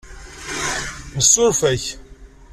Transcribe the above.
Nessuref-ak.